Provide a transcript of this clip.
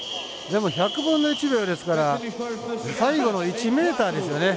でも１００分の１秒ですから最後の１ｍですよね。